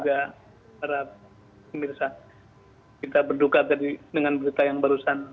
juga para pemirsa kita berduka tadi dengan berita yang barusan muncul di set